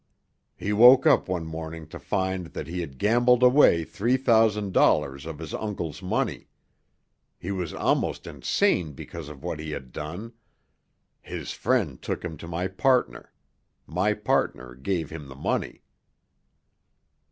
He woke up one morning to find that he had gambled away three thousand dollars of his uncle's money. He was almost insane because of what he had done. His friend took him to my partner; my partner gave him the money."